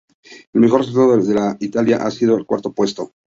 El mejor resultado de Italia ha sido el cuarto puesto.